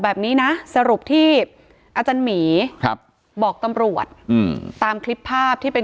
แบบนี้นะสรุปที่อาจารย์หมีครับบอกตำรวจอืมตามคลิปภาพที่เป็น